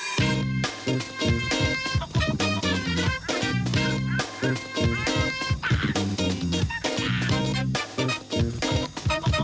สวัสดีค่ะ